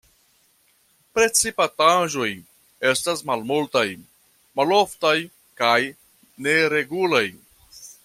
Precipitaĵoj estas malmultaj, maloftaj kaj neregulaj.